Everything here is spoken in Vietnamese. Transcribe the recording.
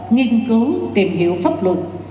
nghiên cứu tìm hiểu pháp luật